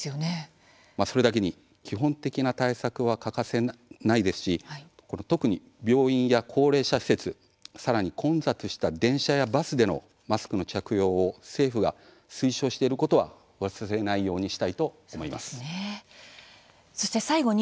それだけに基本的な対策は欠かせないですし特に病院や高齢者施設さらに混雑した電車やバスでのマスクの着用を政府が推奨していることは忘れないようにしたいと思います。